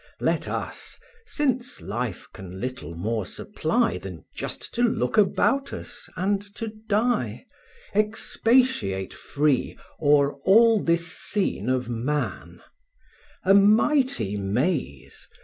Let us (since life can little more supply Than just to look about us and to die) Expatiate free o'er all this scene of man; A mighty maze!